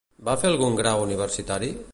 Va fer algun grau universitari?